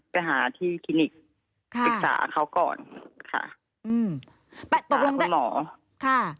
ไปหาที่คลินิกค่ะปรึกษาเขาก่อนค่ะอืมไปตกลงคุณหมอค่ะ